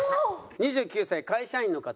２９歳会社員の方。